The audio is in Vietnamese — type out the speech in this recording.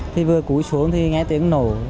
thì vừa cúi xuống thì nghe tiếng nổ